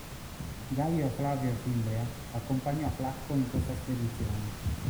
Gaio Flavio Fimbria accompagnò Flacco in questa spedizione.